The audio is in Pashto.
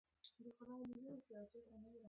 د هند پوځ عصري وسلې لري.